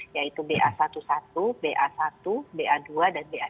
yaitu ba satu sebelas ba satu ba dua dan ba sebelas